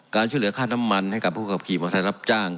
ช่วยเหลือค่าน้ำมันให้กับผู้ขับขี่มอเซลรับจ้าง